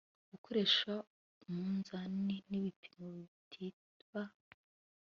gukoresha umunzani n'ibipimo bitiba